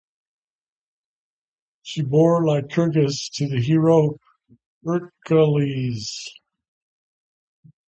She bore Lycurgus to the hero Heracles.